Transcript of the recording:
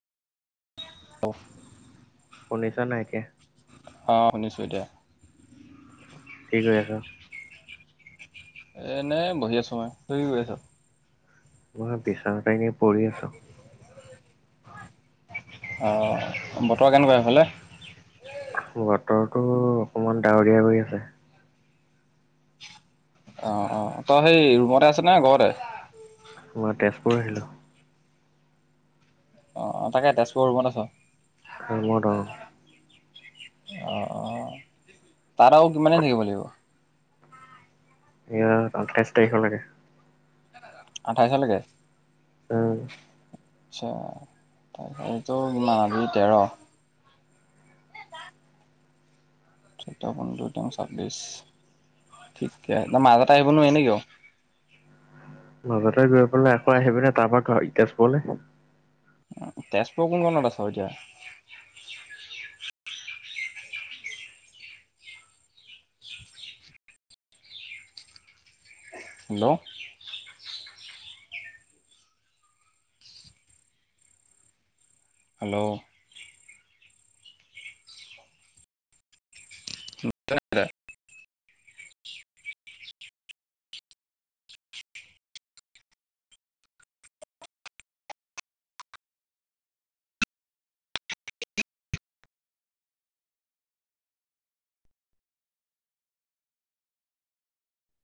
Off শুনিছা নে নাই এতিয়া। অ' শুনিছো এতিয়া। কি কৰি আছ? এনে বহি আছোঁ মই। তুমি কি কৰি আছ? মই বিচনাতে এনে পৰি আছো। অ' বতৰ কেনেকুৱা সেইফালে। বতৰটো অকমান ডাৱৰীয়া হৈ আছে। অ' অ' তই সেই ৰুমতে আছে নে ঘৰতে। মই তেজপুৰ আহিলো। অ' তাকে তেজপুৰ ৰুমত আছ। ৰুমত অ' অ' অ' তাত আৰু কিমান দিন থাকিব লাগিব। ইয়াত আঠাইছ তাৰিখলৈকে। আঠাইশলৈকে। অ' আচ্ছা এইতো নাভিতে ৰ। চৈধ্য পোন্ধৰ তেওঁ ছাব্বিশ ঠিকে তই মাজতে আহিব নোৱাৰি নেকি অ'। মাজতে গৈ পেলাই আকৌ আহি পিনে তাৰ পৰা আকৌ তেজপুৰলৈ। তেজপুৰ কোন কনত আছ এতিয়া। হেল্ল'। হেল্ল' ব [unintelligible]